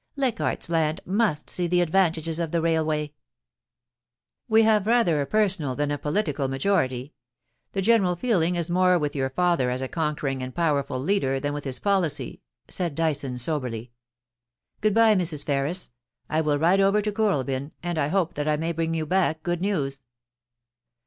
Leichardt's Land must see the advantages of the railway.' *VVe have rather a personal than a political majority. The general feeling is more with your father as a conquering and powerful leader than with his policy,' said Dyson, soberly. * Good bye, Mrs. Ferris. I will ride over to Kooralbyn, and I hope that I may bring you back good news.'